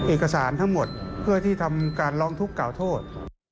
เอกสารทั้งหมดเพื่อที่ทำการร้องทุกข์กล่าวโทษ